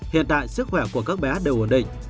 hiện tại sức khỏe của các bé đều ổn định